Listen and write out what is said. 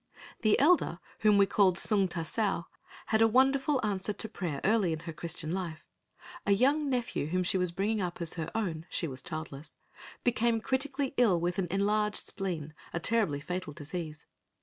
The elder whom we called Sung ta sao had a wonderful answer to prayer early in her Christian life. A young nephew whom she was bringing up as her own (she was childless) became critically ill with enlarged spleen, a terribly fatal disease.